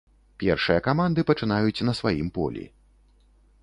Першыя каманды пачынаюць на сваім полі.